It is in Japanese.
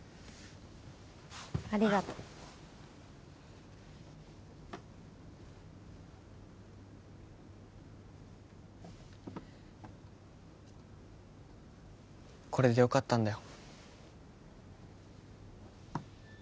ありがとうこれでよかったんだよ